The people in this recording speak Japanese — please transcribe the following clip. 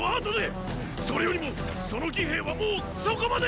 それよりもその魏兵はもうそこまで！